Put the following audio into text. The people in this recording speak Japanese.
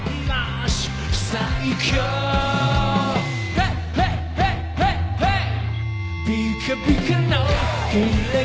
ヘイヘイヘイヘイヘイ！